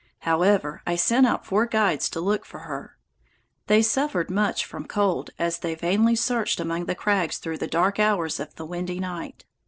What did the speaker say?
However, I sent out four guides to look for her. They suffered much from cold as they vainly searched among the crags through the dark hours of the windy night.